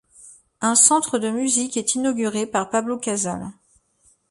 Un centre de musique est inauguré par Pablo Casals.